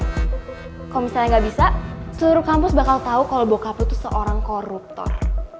kalo misalnya gak bisa seluruh kampus bakal tau kalo bokap lo seorang koruptor